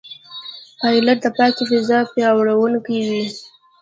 پیلوټ د پاکې فضا پیاموړونکی وي.